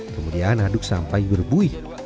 kemudian aduk sampai berbuih